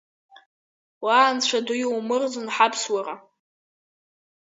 Уа, Анцәа Ду, иумырӡын ҳаԥсуара!